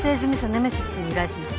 ネメシスに依頼します。